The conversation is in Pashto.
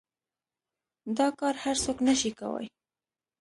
دا کار هر سوک نشي کواى.